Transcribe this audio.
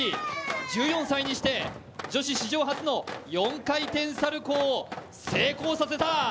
１４歳にして女子史上初の４回転サルコウを成功させた。